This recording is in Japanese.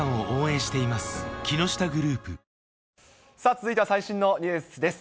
続いては最新のニュースです。